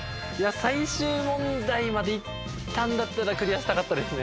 最終問題まで行ったんだったらクリアしたかったですね。